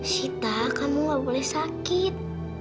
sita kamu gak boleh sakit